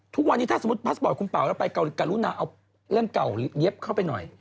ทุกวันนี้ถ้าสมมุติพาสปอร์ตคุณเป่าแล้วไปกรุณาเอาเรื่องเก่าเย็บเข้าไปหน่อย